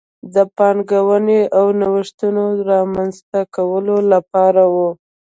د پانګونې او نوښتونو د رامنځته کولو لپاره و.